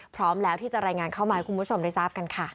พร้อมแล้วที่จะรายงานเข้ามาให้คุณผู้ชมได้ทราบกันค่ะ